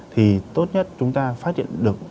thì tốt nhất chúng ta phát hiện được